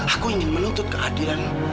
aku ingin menuntut keadilan